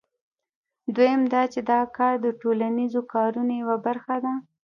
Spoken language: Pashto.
دویم دا چې دا کار د ټولنیزو کارونو یوه برخه ده